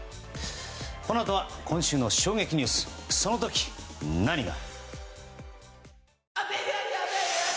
このあとは今週の衝撃ニュースそのとき何が。